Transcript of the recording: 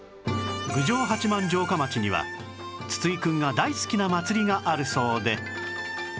郡上八幡城下町には筒井くんが大好きな祭りがあるそうで